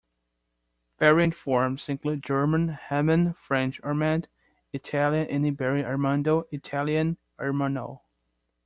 Variant forms include German "Hermann", French "Armand", Italian and Iberian "Armando", Italian "Ermanno".